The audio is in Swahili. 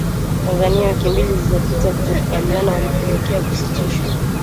Tanzania wiki mbili zilizopita kutokukubaliana kulipelekea kusitishwa